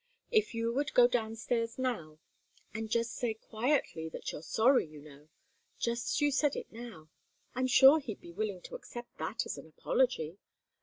"If you would go downstairs now, and just say quietly that you're sorry, you know. Just as you said it now. I'm sure he'd be willing to accept that as an apology."